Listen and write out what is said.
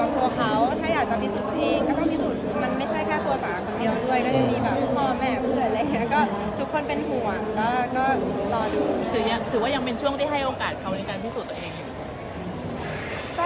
ให้โอกาสเขาดีกันพิสูจน์ตัวเองอยู่หรือเปล่า